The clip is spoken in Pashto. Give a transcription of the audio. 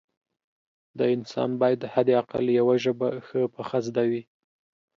د انسان باید حد اقل یوه ژبه ښه پخه زده وي